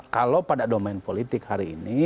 kalau pada domain politik hari ini